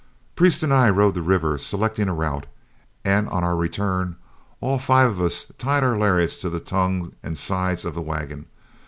Priest and I rode the river, selecting a route; and on our return, all five of us tied our lariats to the tongue and sides of the wagon.